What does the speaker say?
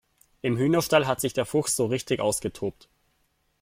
Im Hühnerstall hat sich der Fuchs so richtig ausgetobt.